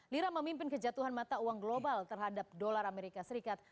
lira memimpin kejatuhan mata uang global terhadap dolar amerika serikat